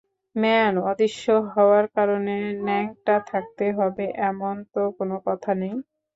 Man, অদৃশ্য হওয়ার কারণে ন্যাংটা থাকতে হবে এমন তো কোনো কথা নেই।